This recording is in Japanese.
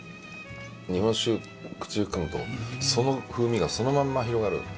日本酒口に含むとその風味がそのまんま広がる。